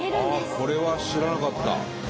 これは知らなかった。